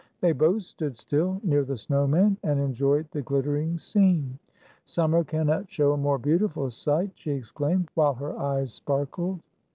They both stood still, near the snow man, and enjoyed the glittering scene. " Summer cannot show a more beautiful sight," she exclaimed, while her eyes sparkled.